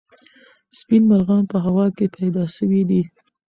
سپین مرغان په هوا کې پیدا سوي دي.